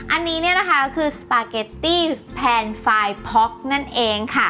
อันนี้เนี่ยนะคะคือสปาเกตตี้แพนไฟล์พ็อกนั่นเองค่ะ